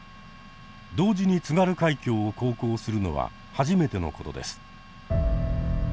同時に津軽海峡を航行するのは初めてのことです。